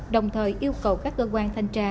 đồng thời yêu cầu các cơ quan thanh tra